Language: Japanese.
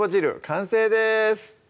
完成です